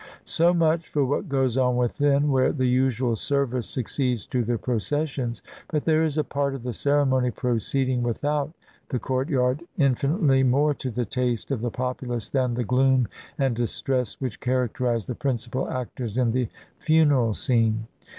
So much for what goes on within, where the usual service succeeds to the processions. But there is a part of the ceremony proceeding without the courtyard in finitely more to the taste of the populace than the gloom and distress which characterize the principal actors in the funeral scene.